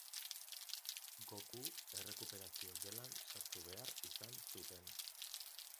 Goku Errekuperazio Gelan sartu behar izan zuten.